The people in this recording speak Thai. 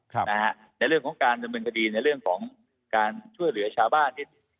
ในเรื่องของการดำเนินคดีในเรื่องของการช่วยเหลือชาวบ้านที่